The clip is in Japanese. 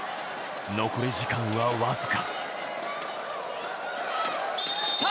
残り時間はわずか。